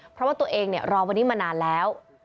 เพราะว่าตัวเองรอวันนี้มานานแล้ว